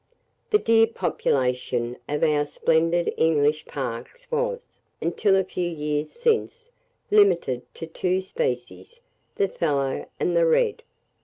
The deer population of our splendid English parks was, until a few years since, limited to two species, the fallow and the red.